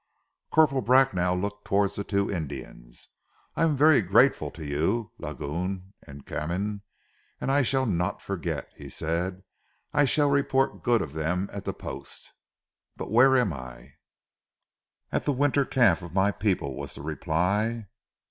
Coporal Bracknell looked towards the two Indians. "I am very grateful to you, Lagoun and Canim, and I shall not forget," he said. "I shall report good of them at the Post. But where am I?" "At ze winter encampment of my people!" was the reply.